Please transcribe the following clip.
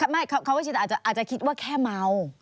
ไม่คำว่าชินอาจจะคิดว่าแค่เมา